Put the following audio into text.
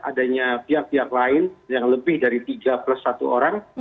adanya pihak pihak lain yang lebih dari tiga plus satu orang